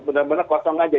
benar benar kosong saja